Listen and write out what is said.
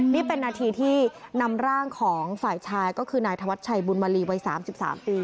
นี่เป็นนาทีที่นำร่างของฝ่ายชายก็คือนายธวัชชัยบุญมาลีวัย๓๓ปี